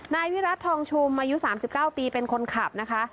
นายวิรัติทองชุมอายุ๓๙ปีเป็นคนขับนะคะ